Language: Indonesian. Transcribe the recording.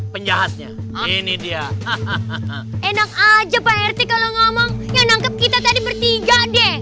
penjahatnya ini dia enak aja pak erti kalau ngomong ya nangkep kita tadi bertiga deh